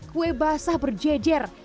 kue basah berjejer